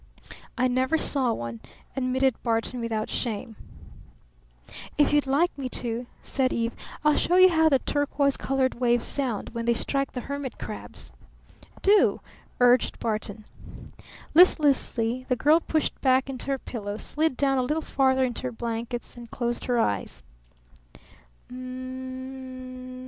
"I never saw one," admitted Barton without shame. "If you'd like me to," said Eve, "I'll show you how the turquoise colored waves sound when they strike the hermit crabs." "Do!" urged Barton. Listlessly the girl pushed back into her pillows, slid down a little farther into her blankets, and closed her eyes.